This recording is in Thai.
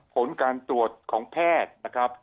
ผลการตรวจของแพทย์นะครับ